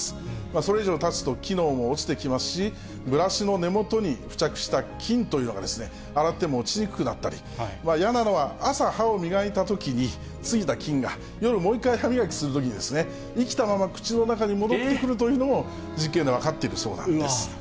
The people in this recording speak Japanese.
それ以上たつと、機能も落ちてきますし、ブラシの根元に付着した菌というのが、洗っても落ちにくくなったり、嫌なのは、朝歯を磨いたときに、付いた菌が、夜もう一回歯磨きするときに、生きたまま口の中に戻ってくるというのも、実験で分かっているそうなんです。